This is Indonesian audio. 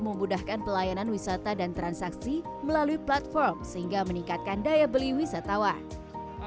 memudahkan pelayanan wisata dan transaksi melalui platform sehingga meningkatkan daya beli wisatawan